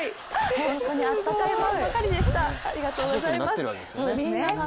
本当にあったかいファンばかりでした。